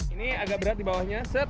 ini agak berat di bawahnya set